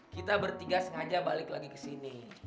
kita bertiga sengaja balik lagi kesini